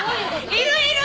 いるいる！